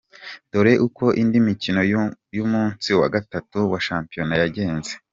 Dore uko indi mikino y’umunsi wa gatatu wa shampiyona yagenze:.